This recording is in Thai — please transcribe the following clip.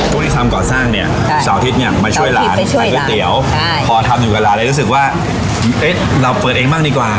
พวกที่ทำก่อสร้างเนี่ยเศร้าทิศอย่างมาช่วยร้านก๋วยเตี๋ยวพอทำอยู่กับร้านเลยรู้สึกว่าเอ๊ะเราเปิดเองบ้างดีกว่า